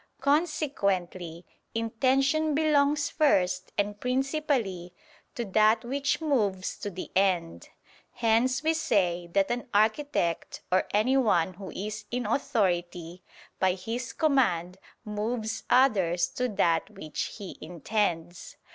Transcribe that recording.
Consequently intention belongs first and principally to that which moves to the end: hence we say that an architect or anyone who is in authority, by his command moves others to that which he intends.